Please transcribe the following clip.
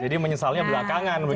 jadi menyesalnya belakangan begitu ya